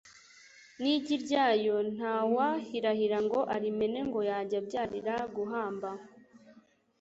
N’igi ryayo ntawahirahira ngo arimene, ngo yajya abyarira guhamba